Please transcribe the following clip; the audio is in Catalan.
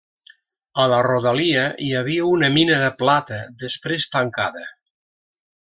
A la rodalia hi havia una mina de plata, després tancada.